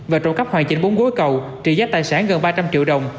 và trộm cắp hoàn chỉnh bốn gối cầu trị giá tài sản gần ba trăm linh triệu đồng